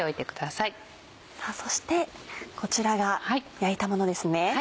さぁそしてこちらが焼いたものですね。